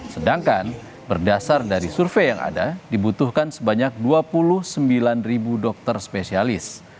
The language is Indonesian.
sedangkan berdasar dari survei yang ada dibutuhkan sebanyak dua puluh sembilan dokter spesialis